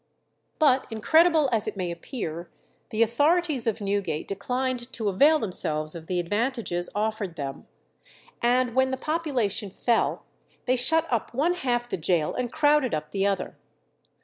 But incredible as it may appear, the authorities of Newgate declined to avail themselves of the advantages offered them, and when the population fell they shut up one half the gaol and crowded up the other.